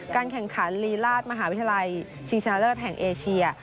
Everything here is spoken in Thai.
แข่งขันลีราชมหาวิทยาลัยชิงชนะเลิศแห่งเอเชีย